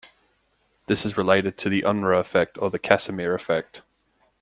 This is related to the Unruh effect or the Casimir effect.